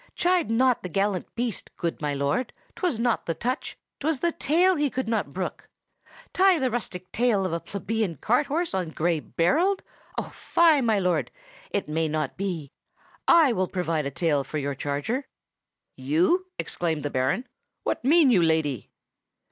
"Chide not the gallant beast, good my lord! 'twas not the touch, 'twas the tail, he could not brook. Tie the rustic tail of a plebeian cart horse on Gray Berold? Oh! fie, my lord! it may not be. I will provide a tail for your charger!" "You!" exclaimed the Baron. "What mean you, lady?"